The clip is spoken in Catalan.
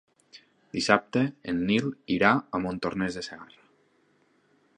Dissabte en Nil irà a Montornès de Segarra.